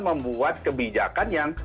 membuat kebijakan yang berbeda